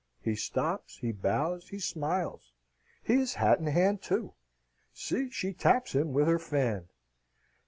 He stops, he bows, he smiles; he is hat in hand, too. See, she taps him with her fan.